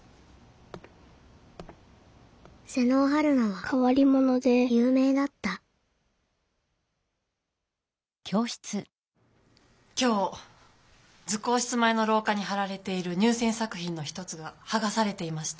妹尾陽菜はかわりものでゆうめいだった今日図工室前のろうかにはられている入せん作品の一つがはがされていました。